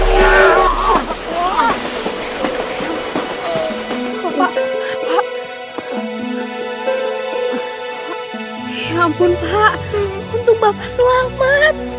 ya ampun pak untuk bapak selamat